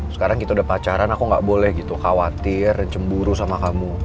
sekarang kita udah pacaran aku gak boleh gitu khawatir cemburu sama kamu